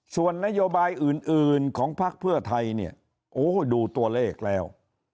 ส่วนนโยบายอื่นของภาคเพื่อไทยดูตัวเลขแล้ว